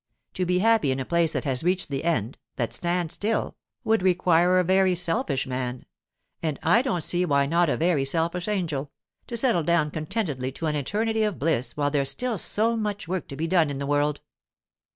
To be happy in a place that has reached the end, that stands still, would require a very selfish man—and I don't see why not a very selfish angel—to settle down contentedly to an eternity of bliss while there's still so much work to be done in the world.